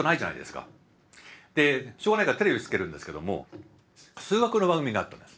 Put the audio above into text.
でしょうがないからテレビつけるんですけども数学の番組だったんです。